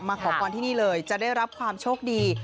ขอพรที่นี่เลยจะได้รับความโชคดี